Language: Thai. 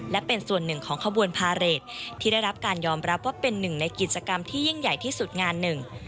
และเป็นส่วนหนึ่งของขบวนพาเรทที่ได้รับการยอมรับว่าเป็นหนึ่งในกิจกรรมที่ยิ่งใหญ่ที่สุดงานหนึ่ง